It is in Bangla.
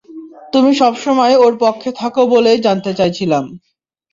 তুমি সবসময় ওর পক্ষে থাকো বলেই জানতে চাইছিলাম।